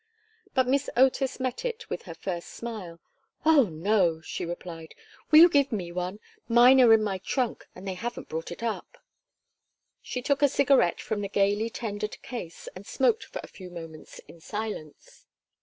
But Miss Otis met it with her first smile. "Oh no," she replied. "Will you give me one? Mine are in my trunk and they haven't brought it up." She took a cigarette from the gayly tendered case and smoked for a few moments in silence.